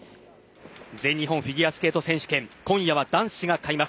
全日本フィギュアスケート選手権今夜は男子が開幕。